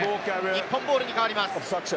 日本ボールに変わります。